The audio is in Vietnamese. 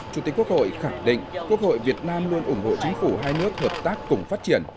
chủ tịch quốc hội khẳng định quốc hội việt nam luôn ủng hộ chính phủ hai nước hợp tác cùng phát triển